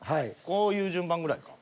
こういう順番ぐらいか。